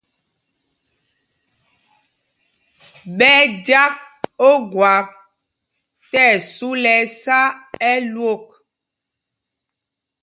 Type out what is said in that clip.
Ɓɛ́ ɛ́ jǎk ogwâp tí ɛsu lɛ ɛsá ɛlwok.